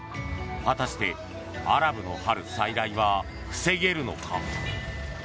果たして、アラブの春再来は防げるのか。